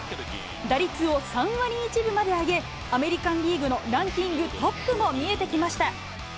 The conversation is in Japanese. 打率を３割１分まで上げ、アメリカンリーグのランキングトップも見えてきました。